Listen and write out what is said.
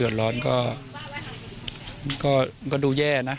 แล้วอันนี้ก็เปิดแล้ว